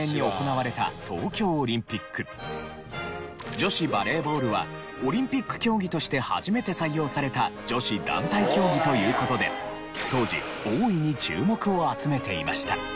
女子バレーボールはオリンピック競技として初めて採用された女子団体競技という事で当時大いに注目を集めていました。